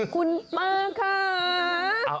คุณป๊าค่า